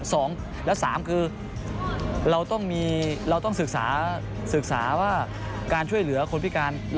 สองและสามคือเราต้องมีเราต้องศึกษาศึกษาว่าการช่วยเหลือคนพิการ